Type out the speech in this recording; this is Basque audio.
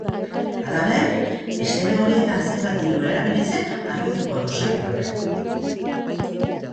Halaber, eszena horietan zenbat diru erabili zen argituko du saioak.